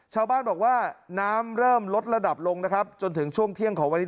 ชาวบ้านบอกว่าน้ำเริ่มลดระดับลงนะครับจนถึงช่วงเที่ยงของวันนี้